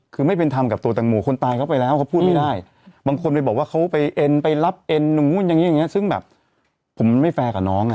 คือไม่เป็นธรรมกับตัวตังโมคนตายเข้าไปแล้วเขาพูดไม่ได้บางคนไปบอกว่าเขาไปเอ็นไปรับเอ็นตรงนู้นอย่างนี้อย่างเงี้ซึ่งแบบผมไม่แฟร์กับน้องอ่ะ